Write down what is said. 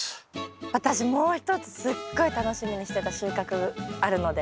私もう一つすっごい楽しみにしてた収穫あるので。